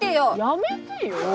やめてよ。